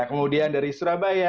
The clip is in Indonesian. kemudian dari surabaya